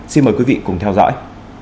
xin mời quý vị cùng theo dõi